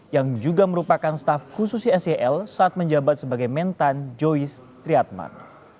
yang juga merupakan staf khusus isel saat menjabat sebagai mentan joyce triatman